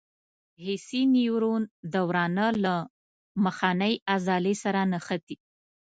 حسي نیورون د ورانه له مخنۍ عضلې سره نښتي.